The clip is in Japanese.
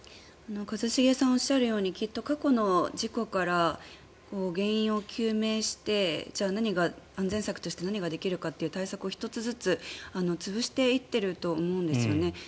一茂さんがおっしゃるようにきっと過去の事故から原因を究明して、じゃあ安全策として何ができるかという対策を１つずつ潰していってると思うんですよね。